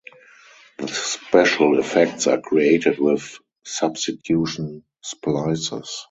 The special effects are created with substitution splices.